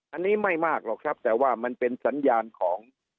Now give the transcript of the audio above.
อันนี้ไม่มากหรอกครับแต่ว่ามันเป็นสัญญาณของ